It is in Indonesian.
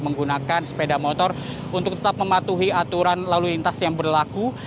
menggunakan sepeda motor untuk tetap mematuhi aturan lalu lintas yang berlaku